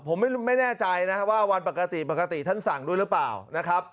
ผมไม่แน่ใจว่าวันปกติท่านสั่งด้วยหรือเปล่า